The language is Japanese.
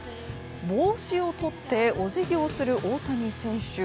帽子をとってお辞儀をする大谷選手。